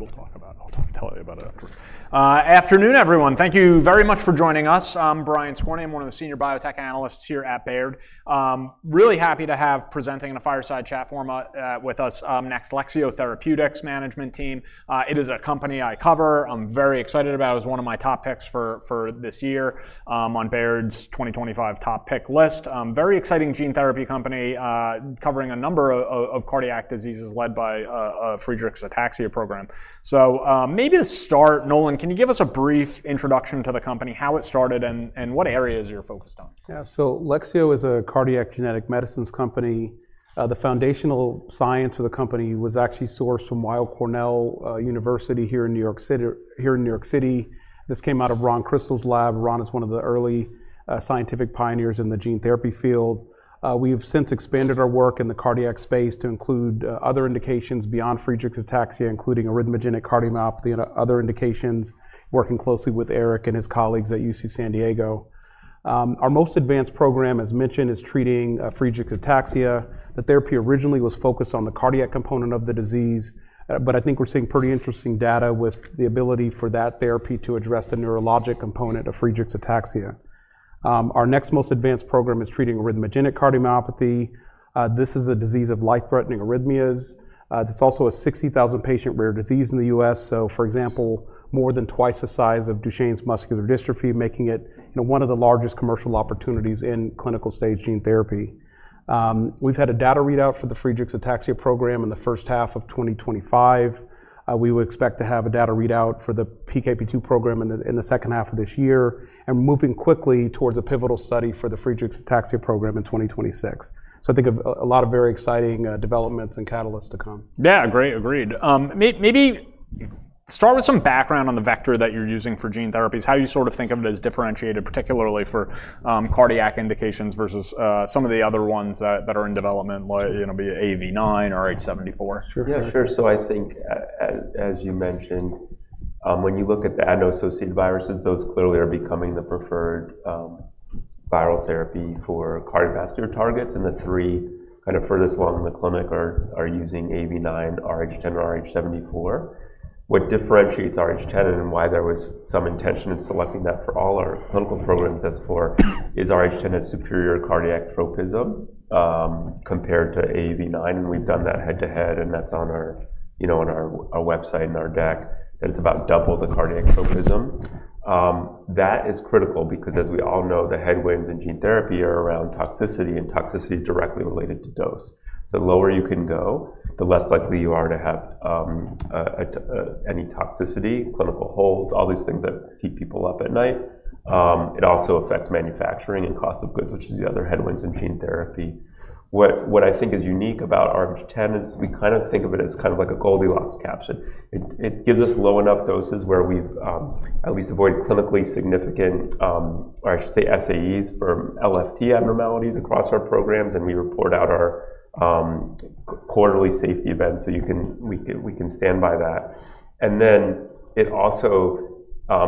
I'll talk about it afterwards. Afternoon, everyone. Thank you very much for joining us. I'm Brian Skornie. I'm one of the Senior Biotech Analysts here at Baird. Really happy to have presenting in a fireside chat format with us next: Lexeo Therapeutics Management Team. It is a company I cover. I'm very excited about it. It was one of my top picks for this year on Baird's 2025 top pick list. Very exciting gene therapy company covering a number of cardiac diseases led by a Friedreich’s Ataxia program. Maybe to start, Nolan, can you give us a brief introduction to the company, how it started, and what areas you're focused on? Yeah, so Lexeo Therapeutics is a cardiac genetic medicines company. The foundational science for the company was actually sourced from Weill Cornell University here in New York City. This came out of Ron Kristol's lab. Ron is one of the early scientific pioneers in the gene therapy field. We've since expanded our work in the cardiac space to include other indications beyond Friedreich’s Ataxia, including arrhythmogenic cardiomyopathy and other indications, working closely with Eric and his colleagues at UC San Diego. Our most advanced program, as mentioned, is treating Friedreich’s Ataxia. The therapy originally was focused on the cardiac component of the disease, but I think we're seeing pretty interesting data with the ability for that therapy to address the neurologic component of Friedreich’s Ataxia. Our next most advanced program is treating arrhythmogenic cardiomyopathy. This is a disease of life-threatening arrhythmias. It's also a 60,000 patient rare disease in the U.S. For example, more than twice the size of Duchenne muscular dystrophy, making it one of the largest commercial opportunities in clinical-stage gene therapy. We've had a data readout for the Friedreich’s Ataxia program in the first half of 2025. We would expect to have a data readout for the PKP2 program in the second half of this year, and moving quickly towards a pivotal study for the Friedreich’s Ataxia program in 2026. I think a lot of very exciting developments and catalysts to come. Yeah, great, agreed. Maybe start with some background on the vector that you're using for gene therapies. How do you sort of think of it as differentiated, particularly for cardiac indications versus some of the other ones that are in development, be it AAV9 or AAVRH74? Yeah, sure. I think, as you mentioned, when you look at the adeno-associated viruses, those clearly are becoming the preferred viral therapy for cardiovascular targets. The three kind of furthest along in the clinic are using AAV9, AAVRH10, and AAVRH74. What differentiates AAVRH10 and why there was some intention in selecting that for all our clinical programs thus far is AAVRH10 has superior cardiac tropism compared to AAV9. We've done that head-to-head, and that's on our website and our deck, that it's about double the cardiac tropism. That is critical because, as we all know, the headwinds in gene therapy are around toxicity, and toxicity is directly related to dose. The lower you can go, the less likely you are to have any toxicity, clinical holds, all these things that keep people up at night. It also affects manufacturing and cost of goods, which is the other headwinds in gene therapy. What I think is unique about AAVRH10 is we kind of think of it as kind of like a Goldilocks capsid. It gives us low enough doses where we've at least avoided clinically significant, or I should say, SAEs for LFT abnormalities across our programs, and we report out our quarterly safety events so we can stand by that.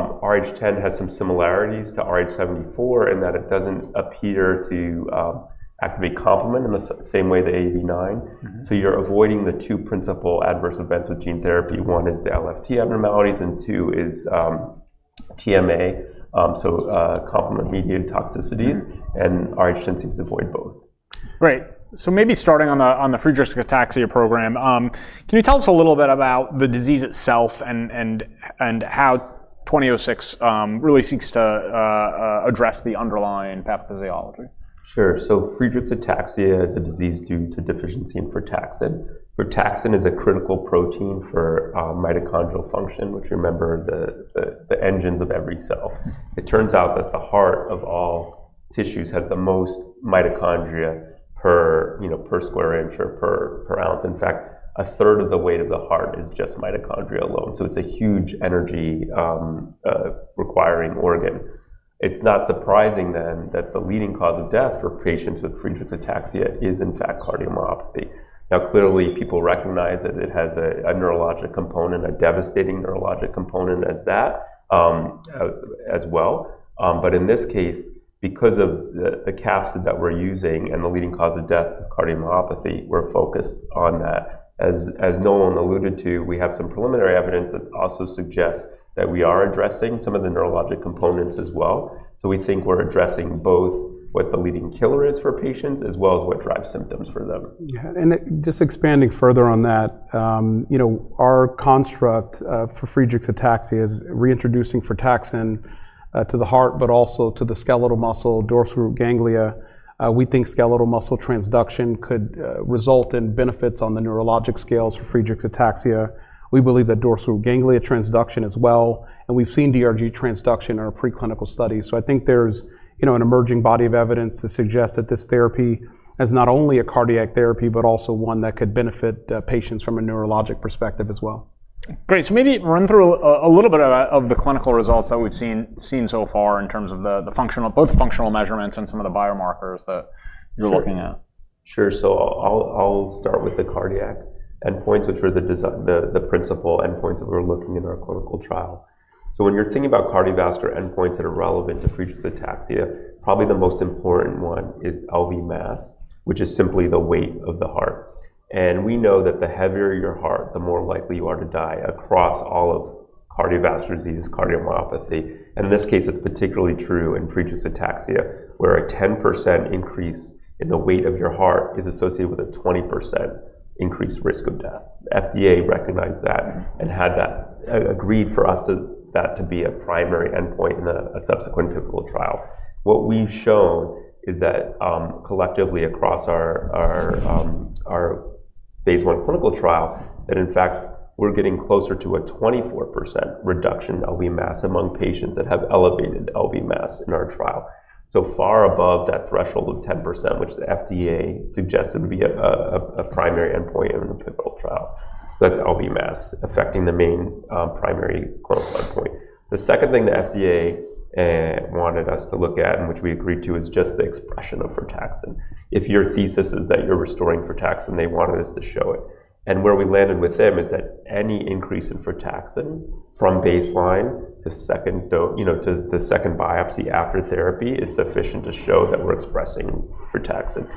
AAVRH10 has some similarities to AAVRH74 in that it doesn't appear to activate complement in the same way that AAV9. You're avoiding the two principal adverse events with gene therapy. One is the LFT abnormalities, and two is TMA, so complement-mediated toxicities. AAVRH10 seems to avoid both. Great. Maybe starting on the Friedreich’s Ataxia program, can you tell us a little bit about the disease itself and how LX2006 really seeks to address the underlying pathophysiology? Sure. Friedreich’s Ataxia is a disease due to deficiency in frataxin. Frataxin is a critical protein for mitochondrial function, which, remember, are the engines of every cell. It turns out that the heart of all tissues has the most mitochondria per square inch or per ounce. In fact, a third of the weight of the heart is just mitochondria alone. It is a huge energy-requiring organ. It is not surprising then that the leading cause of death for patients with Friedreich’s Ataxia is, in fact, cardiomyopathy. Clearly, people recognize that it has a neurologic component, a devastating neurologic component as well, but in this case, because of the capsid that we are using and the leading cause of death of cardiomyopathy, we are focused on that. As Nolan alluded to, we have some preliminary evidence that also suggests that we are addressing some of the neurologic components as well. We think we are addressing both what the leading killer is for patients as well as what drives symptoms for them. Yeah, and just expanding further on that, you know, our construct for Friedreich’s Ataxia is reintroducing frataxin to the heart, but also to the skeletal muscle, dorsal root ganglia. We think skeletal muscle transduction could result in benefits on the neurologic scales for Friedreich’s Ataxia. We believe that dorsal root ganglia transduction as well. We’ve seen DRG transduction in our preclinical studies. I think there’s an emerging body of evidence to suggest that this therapy is not only a cardiac therapy, but also one that could benefit patients from a neurologic perspective as well. Great. Maybe run through a little bit of the clinical results that we've seen so far in terms of both functional measurements and some of the biomarkers that you're looking at. Sure. I'll start with the cardiac endpoints, which were the principal endpoints that we're looking at in our clinical trial. When you're thinking about cardiovascular endpoints that are relevant to Friedreich’s Ataxia, probably the most important one is LV mass, which is simply the weight of the heart. We know that the heavier your heart, the more likely you are to die across all of cardiovascular diseases, cardiomyopathy. In this case, it's particularly true in Friedreich’s Ataxia, where a 10% increase in the weight of your heart is associated with a 20% increased risk of death. The FDA recognized that and agreed for us that to be a primary endpoint in a subsequent clinical trial. What we've shown is that collectively across our phase one clinical trial, in fact, we're getting closer to a 24% reduction in LV mass among patients that have elevated LV mass in our trial. Far above that threshold of 10%, which the FDA suggested to be a primary endpoint in the pivotal trial. That's LV mass affecting the main primary clinical endpoint. The second thing the FDA wanted us to look at, and which we agreed to, is just the expression of frataxin. If your thesis is that you're restoring frataxin, they wanted us to show it. Where we landed with them is that any increase in frataxin from baseline to the second biopsy after therapy is sufficient to show that we're expressing frataxin.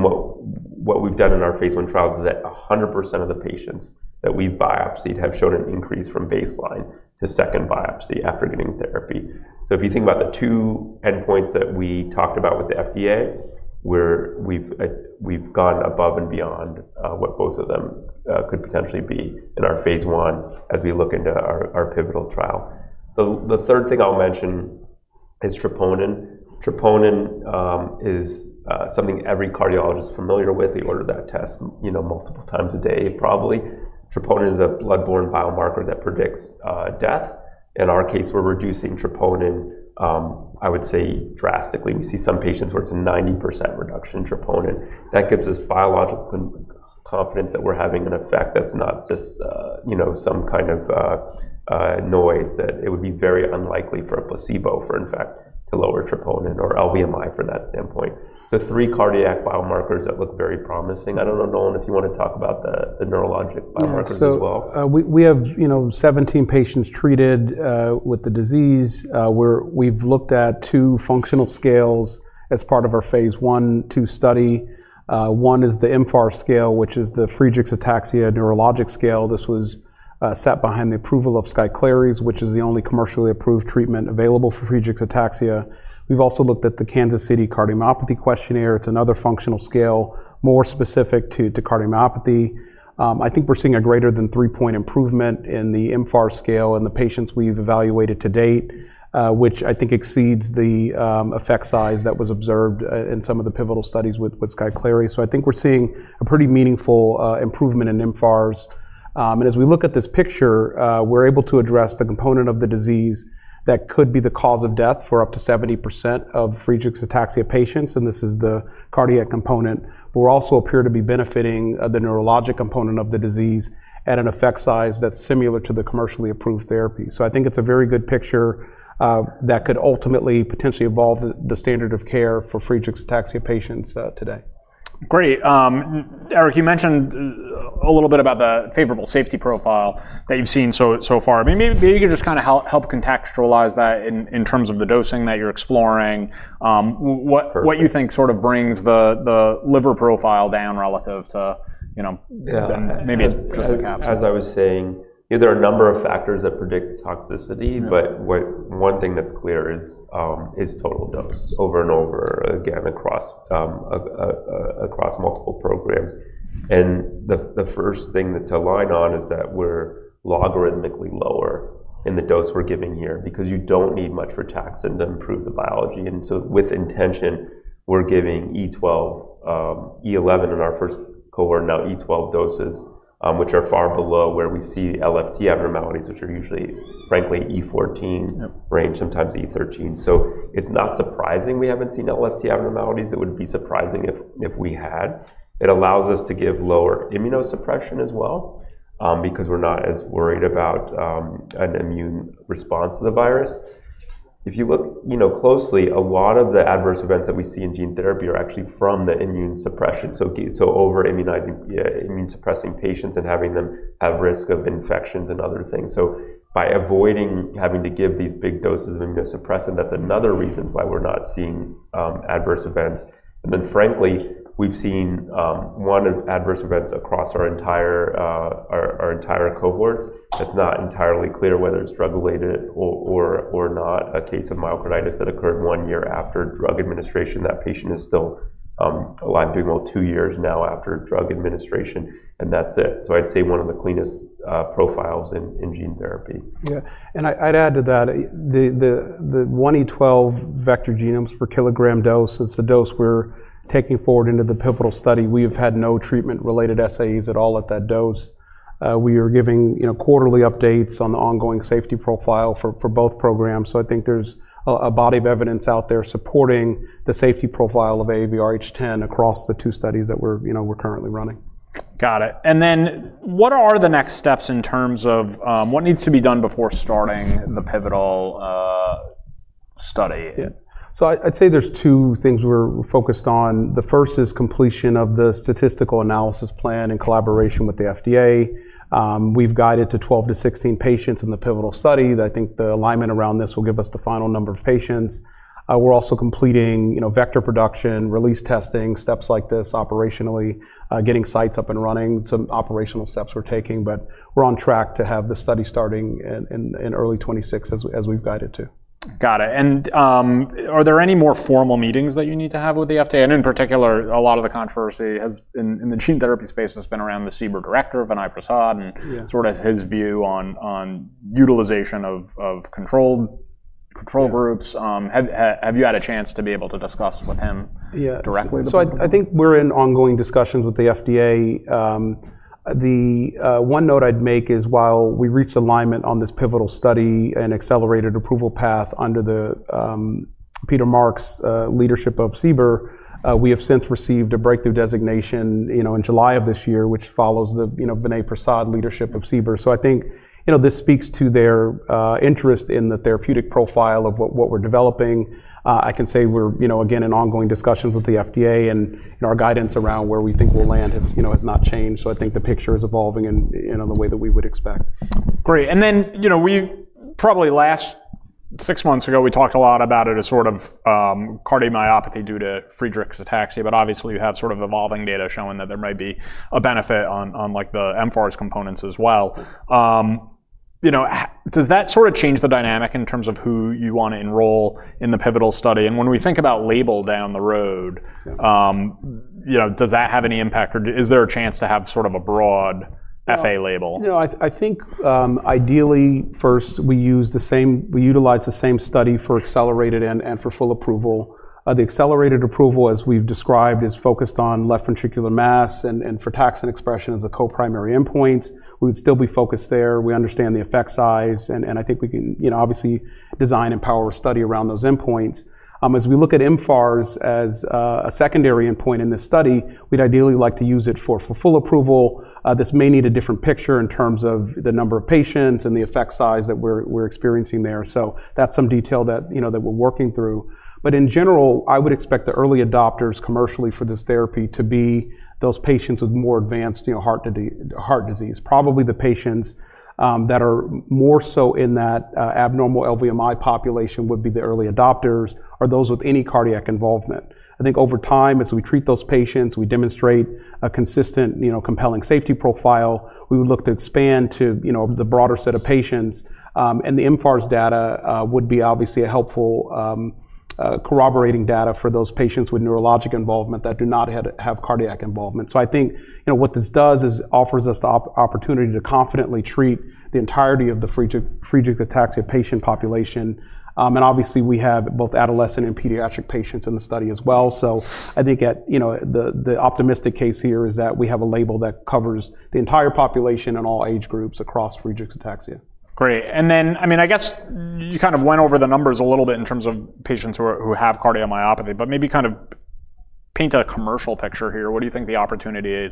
What we've done in our phase one trials is that 100% of the patients that we've biopsied have shown an increase from baseline to second biopsy after getting therapy. If you think about the two endpoints that we talked about with the FDA, we've gone above and beyond what both of them could potentially be in our phase one as we look into our pivotal trial. The third thing I'll mention is troponin. Troponin is something every cardiologist is familiar with. They order that test multiple times a day, probably. Troponin is a bloodborne biomarker that predicts death. In our case, we're reducing troponin, I would say, drastically. We see some patients where it's a 90% reduction in troponin. That gives us biologic confidence that we're having an effect that's not just some kind of noise, that it would be very unlikely for a placebo, in fact, to lower troponin or LV mass index from that standpoint. The three cardiac biomarkers that look very promising, I don't know, Nolan, if you want to talk about the neurologic biomarkers as well. Yeah, so we have, you know, 17 patients treated with the disease. We've looked at two functional scales as part of our phase one two study. One is the mFARS scale, which is the Friedreich’s Ataxia neurologic scale. This was set behind the approval of Skyclarys, which is the only commercially approved treatment available for Friedreich’s Ataxia. We've also looked at the Kansas City Cardiomyopathy Questionnaire. It's another functional scale, more specific to cardiomyopathy. I think we're seeing a greater than three-point improvement in the mFARS scale in the patients we've evaluated to date, which I think exceeds the effect size that was observed in some of the pivotal studies with Skyclarys. I think we're seeing a pretty meaningful improvement in mFARS. As we look at this picture, we're able to address the component of the disease that could be the cause of death for up to 70% of Friedreich’s Ataxia patients, and this is the cardiac component. We also appear to be benefiting the neurologic component of the disease at an effect size that's similar to the commercially approved therapy. I think it's a very good picture that could ultimately potentially evolve the standard of care for Friedreich’s Ataxia patients today. Great. Eric, you mentioned a little bit about the favorable safety profile that you've seen so far. Maybe you could just kind of help contextualize that in terms of the dosing that you're exploring. What you think sort of brings the liver profile down relative to, you know, maybe it's just the capsid? Yeah, as I was saying, there are a number of factors that predict toxicity, but one thing that's clear is total dose, over and over again, across multiple programs. The first thing to align on is that we're logarithmically lower in the dose we're giving here because you don't need much frataxin to improve the biology. With intention, we're giving E12, E11 in our first cohort, now E12 doses, which are far below where we see LFT abnormalities, which are usually, frankly, E14 range, sometimes E13. It's not surprising we haven't seen LFT abnormalities. It would be surprising if we had. It allows us to give lower immunosuppression as well because we're not as worried about an immune response to the virus. If you look closely, a lot of the adverse events that we see in gene therapy are actually from the immunosuppression. Over-immunosuppressing patients and having them have risk of infections and other things. By avoiding having to give these big doses of immunosuppressant, that's another reason why we're not seeing adverse events. Frankly, we've seen one of the adverse events across our entire cohorts. It's not entirely clear whether it's drug-related or not. A case of myocarditis that occurred one year after drug administration, that patient is still alive, doing well two years now after drug administration, and that's it. I'd say one of the cleanest profiles in gene therapy. Yeah, and I'd add to that, the 1E12 vector genomes per kilogram dose, it's a dose we're taking forward into the pivotal study. We have had no treatment-related SAEs at all at that dose. We are giving quarterly updates on the ongoing safety profile for both programs. I think there's a body of evidence out there supporting the safety profile of AAVRH10 across the two studies that we're currently running. Got it. What are the next steps in terms of what needs to be done before starting the pivotal study? I'd say there's two things we're focused on. The first is completion of the statistical analysis plan in collaboration with the FDA. We've guided to 12 to 16 patients in the pivotal study. I think the alignment around this will give us the final number of patients. We're also completing vector production, release testing, steps like this operationally, getting sites up and running. Some operational steps we're taking, but we're on track to have the study starting in early 2026 as we've guided to. Got it. Are there any more formal meetings that you need to have with the FDA? In particular, a lot of the controversy in the gene therapy space has been around the CBER Director, Vinay Prasad, and his view on utilization of controlled groups. Have you had a chance to be able to discuss with him directly? Yeah, I think we're in ongoing discussions with the FDA. The one note I'd make is while we reached alignment on this pivotal study and accelerated approval path under Peter Marks' leadership of CBER, we have since received a breakthrough therapy designation in July of this year, which follows the Vinay Prasad leadership of CBER. I think this speaks to their interest in the therapeutic profile of what we're developing. I can say we're, again, in ongoing discussions with the FDA, and our guidance around where we think we'll land has not changed. I think the picture is evolving in the way that we would expect. Great. We probably last six months ago talked a lot about it as sort of cardiomyopathy due to Friedreich’s Ataxia, but obviously you have sort of evolving data showing that there might be a benefit on the mFARS components as well. Does that sort of change the dynamic in terms of who you want to enroll in the pivotal study? When we think about label down the road, does that have any impact, or is there a chance to have sort of a broad FA label? Yeah, I think ideally, first, we utilize the same study for accelerated and for full approval. The accelerated approval, as we've described, is focused on left ventricular mass and frataxin expression as the co-primary endpoints. We would still be focused there. We understand the effect size, and I think we can obviously design and power a study around those endpoints. As we look at mFARS as a secondary endpoint in this study, we'd ideally like to use it for full approval. This may need a different picture in terms of the number of patients and the effect size that we're experiencing there. That's some detail that we're working through. In general, I would expect the early adopters commercially for this therapy to be those patients with more advanced heart disease. Probably the patients that are more so in that abnormal LV mass population would be the early adopters or those with any cardiac involvement. I think over time, as we treat those patients, we demonstrate a consistent, compelling safety profile. We would look to expand to the broader set of patients, and the mFARS data would be obviously a helpful corroborating data for those patients with neurologic involvement that do not have cardiac involvement. I think what this does is it offers us the opportunity to confidently treat the entirety of the Friedreich’s Ataxia patient population. Obviously, we have both adolescent and pediatric patients in the study as well. I think the optimistic case here is that we have a label that covers the entire population in all age groups across Friedreich’s Ataxia. Great. I mean, I guess you kind of went over the numbers a little bit in terms of patients who have cardiomyopathy, but maybe kind of paint a commercial picture here. What do you think the opportunity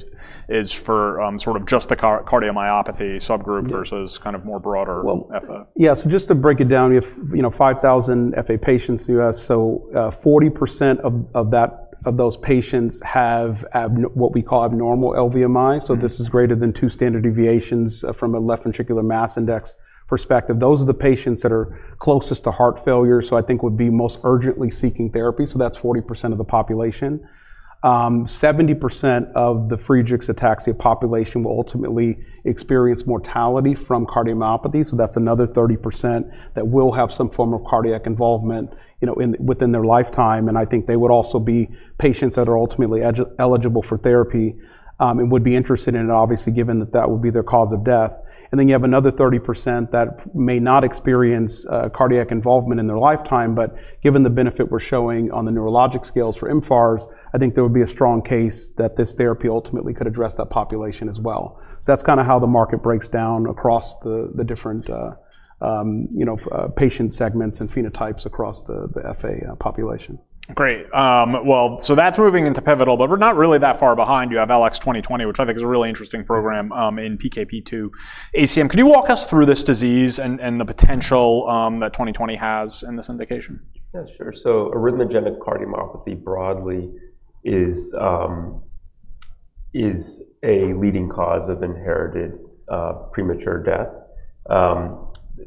is for sort of just the cardiomyopathy subgroup versus kind of more broader FA? Yeah, just to break it down, you have 5,000 FA patients in the U.S. 40% of those patients have what we call abnormal LVMI, which is greater than two standard deviations from a left ventricular mass index perspective. Those are the patients that are closest to heart failure, so I think would be most urgently seeking therapy. That's 40% of the population. 70% of the Friedreich’s Ataxia population will ultimately experience mortality from cardiomyopathy. That's another 30% that will have some form of cardiac involvement within their lifetime. I think they would also be patients that are ultimately eligible for therapy and would be interested in it, obviously, given that that would be their cause of death. You have another 30% that may not experience cardiac involvement in their lifetime, but given the benefit we're showing on the neurologic scales for mFARS, I think there would be a strong case that this therapy ultimately could address that population as well. That's kind of how the market breaks down across the different patient segments and phenotypes across the FA population. Great. That's moving into pivotal, but we're not really that far behind. You have LX2020, which I think is a really interesting program in PKP2 ACM. Can you walk us through this disease and the potential that 2020 has in this indication? Yeah, sure. Arrhythmogenic cardiomyopathy broadly is a leading cause of inherited premature death.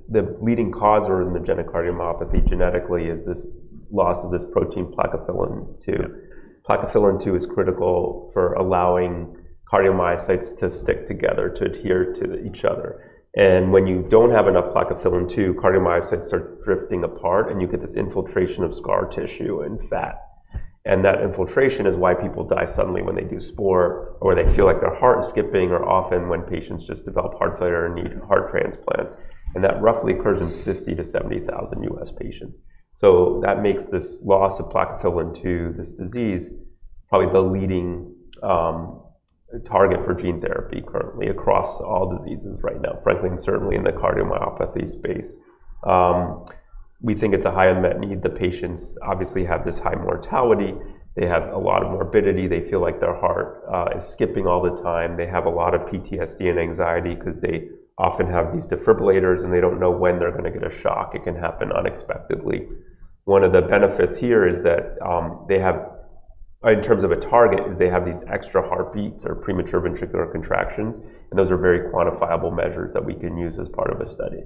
The leading cause of arrhythmogenic cardiomyopathy genetically is this loss of this protein, PKP2. PKP2 is critical for allowing cardiomyocytes to stick together, to adhere to each other. When you don't have enough PKP2, cardiomyocytes start drifting apart, and you get this infiltration of scar tissue and fat. That infiltration is why people die suddenly when they do sport or they feel like their heart is skipping, or often when patients just develop heart failure and need heart transplants. That roughly occurs in 50,000 to 70,000 U.S. patients. That makes this loss of PKP2, this disease, probably the leading target for gene therapy currently across all diseases right now, frankly, and certainly in the cardiomyopathy space. We think it's a high unmet need. The patients obviously have this high mortality. They have a lot of morbidity. They feel like their heart is skipping all the time. They have a lot of PTSD and anxiety because they often have these defibrillators, and they don't know when they're going to get a shock. It can happen unexpectedly. One of the benefits here is that they have, in terms of a target, these extra heartbeats or premature ventricular contractions, and those are very quantifiable measures that we can use as part of a study.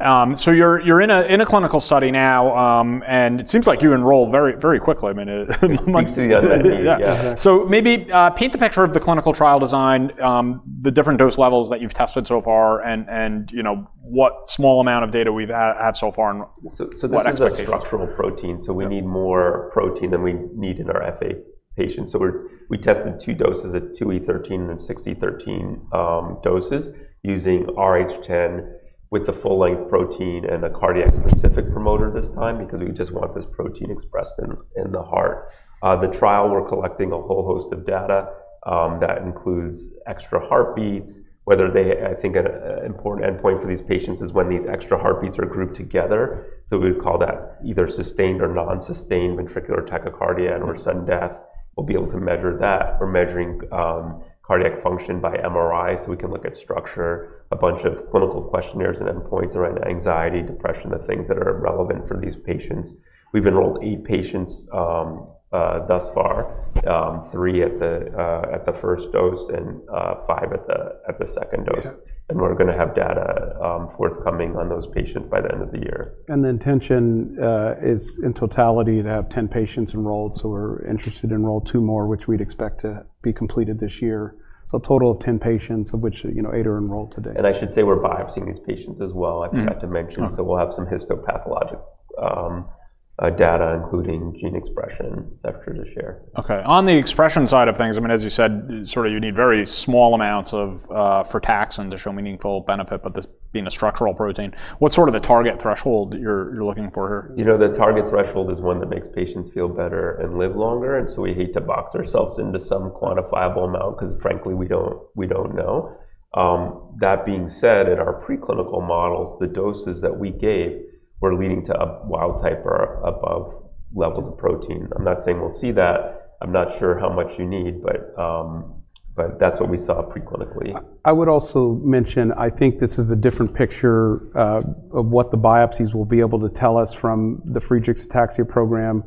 You're in a clinical study now, and it seems like you enrolled very quickly. I mean, Months ago, I did. Maybe paint the picture of the clinical trial design, the different dose levels that you've tested so far, what small amount of data we've had so far, and what expectations. This is a cross-dermal protein, so we need more protein than we need in our FA patients. We tested two doses at 2E13 and 6E13 doses using AAVRH10 with the full-length protein and a cardiac-specific promoter this time because we just want this protein expressed in the heart. The trial, we're collecting a whole host of data that includes extra heartbeats. I think an important endpoint for these patients is when these extra heartbeats are grouped together. We would call that either sustained or non-sustained ventricular tachycardia and/or sudden death. We'll be able to measure that. We're measuring cardiac function by MRI so we can look at structure, a bunch of clinical questionnaires and endpoints around anxiety, depression, the things that are relevant for these patients. We've enrolled eight patients thus far, three at the first dose and five at the second dose. We're going to have data forthcoming on those patients by the end of the year. The intention is in totality to have 10 patients enrolled. We're interested to enroll two more, which we'd expect to be completed this year. A total of 10 patients, of which eight are enrolled today. We are biopsying these patients as well, I forgot to mention. We will have some histopathologic data, including gene expression after this year. Okay. On the expression side of things, I mean, as you said, you need very small amounts of frataxin to show meaningful benefit, but this being a structural protein, what's the target threshold you're looking for here? You know, the target threshold is one that makes patients feel better and live longer. We hate to box ourselves into some quantifiable amount because, frankly, we don't know. That being said, in our preclinical models, the doses that we gave were leading to a wild type or above levels of protein. I'm not saying we'll see that. I'm not sure how much you need, but that's what we saw preclinically. I would also mention, I think this is a different picture of what the biopsies will be able to tell us from the Friedreich’s Ataxia program.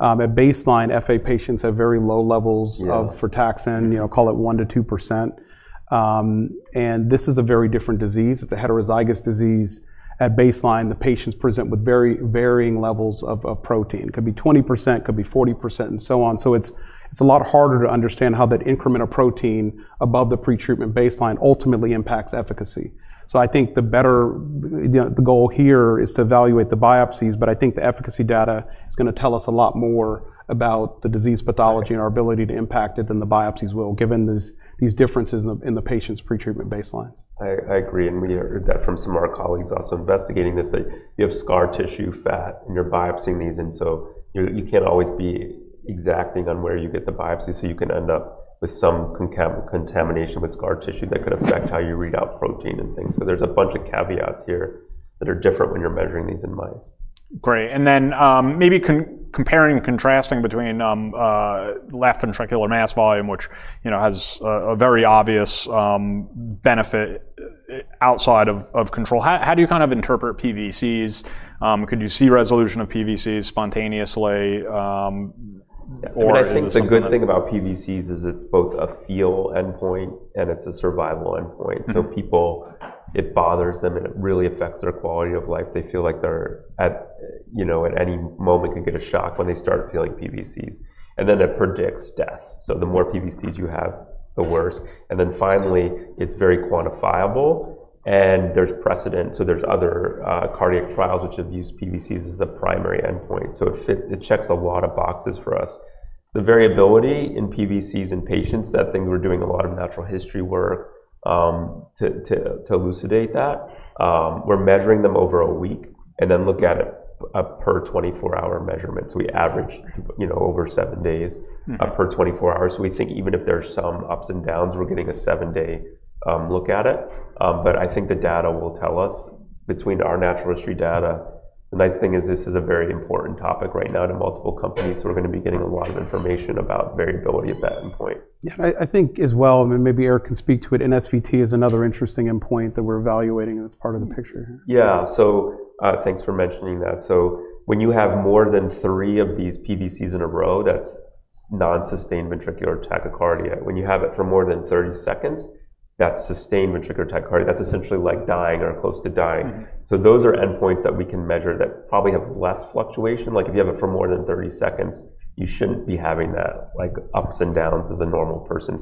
At baseline, FA patients have very low levels of frataxin, call it 1% to 2%. This is a very different disease. It's a heterozygous disease. At baseline, the patients present with very varying levels of protein. It could be 20%, it could be 40%, and so on. It's a lot harder to understand how that incremental protein above the pretreatment baseline ultimately impacts efficacy. I think the goal here is to evaluate the biopsies, but I think the efficacy data is going to tell us a lot more about the disease pathology and our ability to impact it than the biopsies will, given these differences in the patient's pretreatment baselines. I agree, and we heard that from some of our colleagues also investigating this. You have scar tissue, fat, and you're biopsying these, and you can't always be exacting on where you get the biopsy. You can end up with some contamination with scar tissue that could affect how you read out protein and things. There are a bunch of caveats here that are different when you're measuring these in mice. Great. Maybe comparing and contrasting between left ventricular mass volume, which has a very obvious benefit outside of control, how do you kind of interpret PVCs? Could you see resolution of PVCs spontaneously? I think the good thing about PVCs is it's both a feel endpoint and it's a survival endpoint. People, it bothers them, and it really affects their quality of life. They feel like they're at any moment could get a shock when they start feeling PVCs. It predicts death. The more PVCs you have, the worse. Finally, it's very quantifiable, and there's precedent. There are other cardiac trials which have used PVCs as the primary endpoint. It checks a lot of boxes for us. The variability in PVCs in patients, that thing we're doing a lot of natural history work to elucidate that. We're measuring them over a week, and then look at it per 24-hour measurement. We average over seven days per 24 hours. We think even if there's some ups and downs, we're getting a seven-day look at it. I think the data will tell us between our natural history data. The nice thing is this is a very important topic right now to multiple companies. We're going to be getting a lot of information about variability of that endpoint. Yeah, I think as well, maybe Eric can speak to it. NSVT is another interesting endpoint that we're evaluating as part of the picture here. Thanks for mentioning that. When you have more than three of these PVCs in a row, that's non-sustained ventricular tachycardia. When you have it for more than 30 seconds, that's sustained ventricular tachycardia. That's essentially like dying or close to dying. Those are endpoints that we can measure that probably have less fluctuation. If you have it for more than 30 seconds, you shouldn't be having that kind of ups and downs as a normal person.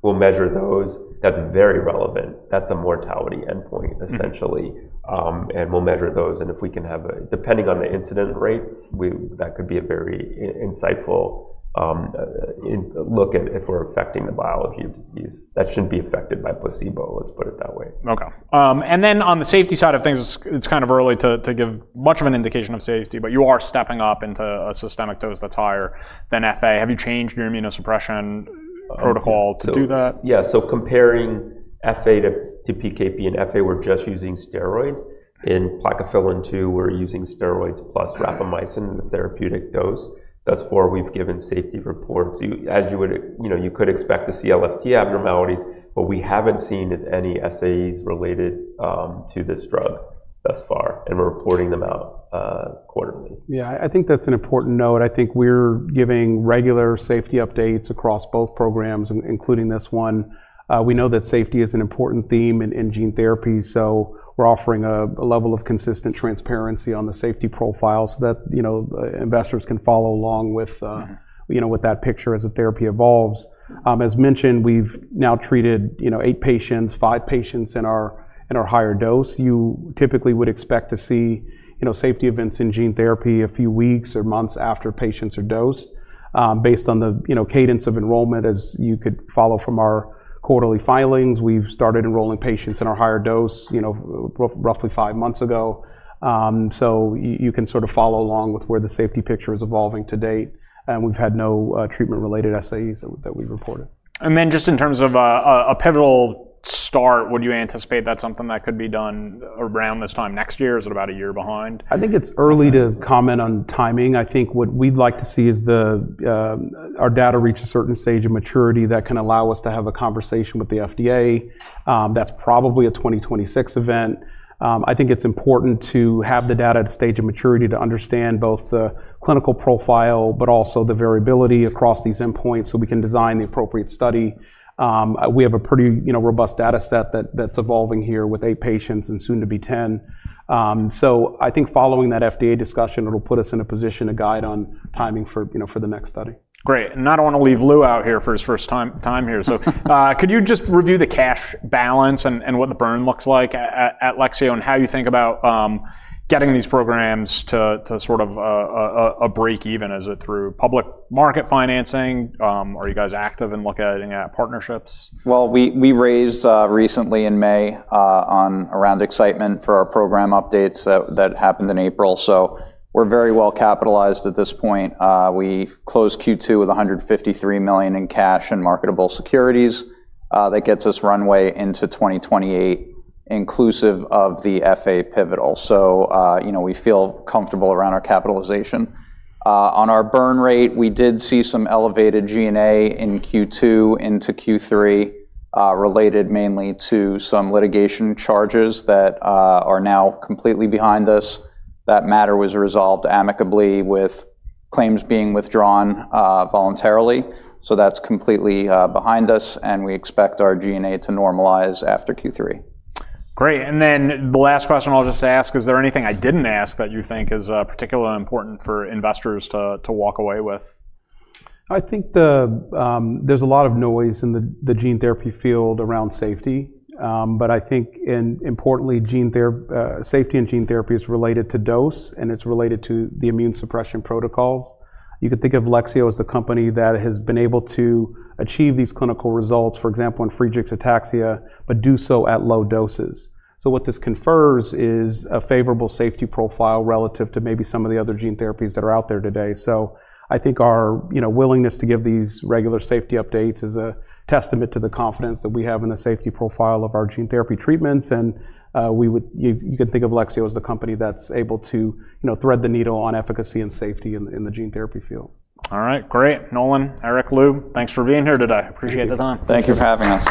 We'll measure those. That's very relevant. That's a mortality endpoint, essentially. We'll measure those, and if we can have a, depending on the incident rates, that could be a very insightful look at if we're affecting the biology of disease. That shouldn't be affected by placebo. Let's put it that way. Okay. On the safety side of things, it's kind of early to give much of an indication of safety, but you are stepping up into a systemic dose that's higher than FA. Have you changed your immunosuppression protocol to do that? Yeah, comparing FA to PKP2 and FA, we're just using steroids. In PKP2, we're using steroids plus rapamycin in the therapeutic dose. Thus far, we've given safety reports. As you would, you could expect to see LFT abnormalities, but we haven't seen any SAEs related to this drug thus far, and we're reporting them out quarterly. Yeah, I think that's an important note. I think we're giving regular safety updates across both programs, including this one. We know that safety is an important theme in gene therapy. We're offering a level of consistent transparency on the safety profile so that investors can follow along with that picture as the therapy evolves. As mentioned, we've now treated eight patients, five patients in our higher dose. You typically would expect to see safety events in gene therapy a few weeks or months after patients are dosed. Based on the cadence of enrollment, as you could follow from our quarterly filings, we've started enrolling patients in our higher dose roughly five months ago. You can sort of follow along with where the safety picture is evolving to date. We've had no treatment-related SAEs that we've reported. In terms of a pivotal start, would you anticipate that's something that could be done around this time next year, or is it about a year behind? I think it's early to comment on timing. I think what we'd like to see is our data reach a certain stage of maturity that can allow us to have a conversation with the FDA. That's probably a 2026 event. I think it's important to have the data at a stage of maturity to understand both the clinical profile, but also the variability across these endpoints so we can design the appropriate study. We have a pretty robust data set that's evolving here with eight patients and soon to be 10. Following that FDA discussion, it'll put us in a position to guide on timing for the next study. Great. I don't want to leave Luca out here for his first time here. Could you just review the cash balance and what the burn looks like at Lexeo Therapeutics and how you think about getting these programs to sort of a break even? Is it through public market financing? Are you guys active in looking at partnerships? We raised recently in May around excitement for our program updates that happened in April. We are very well capitalized at this point. We closed Q2 with $153 million in cash and marketable securities. That gets us runway into 2028, inclusive of the FA pivotal. We feel comfortable around our capitalization. On our burn rate, we did see some elevated G&A in Q2 into Q3, related mainly to some litigation charges that are now completely behind us. That matter was resolved amicably with claims being withdrawn voluntarily. That is completely behind us, and we expect our G&A to normalize after Q3. Great. The last question I'll just ask, is there anything I didn't ask that you think is particularly important for investors to walk away with? I think there's a lot of noise in the gene therapy field around safety, but I think, importantly, safety in gene therapy is related to dose, and it's related to the immunosuppression protocols. You could think of Lexeo Therapeutics as the company that has been able to achieve these clinical results, for example, in Friedreich’s Ataxia, but do so at low doses. What this confers is a favorable safety profile relative to maybe some of the other gene therapies that are out there today. I think our willingness to give these regular safety updates is a testament to the confidence that we have in the safety profile of our gene therapy treatments. You can think of Lexeo Therapeutics as the company that's able to thread the needle on efficacy and safety in the gene therapy field. All right, great. Nolan, Eric, Luca, thanks for being here today. Appreciate the time. Thank you for having us.